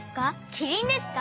キリンですか？